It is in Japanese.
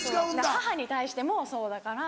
母に対してもそうだから。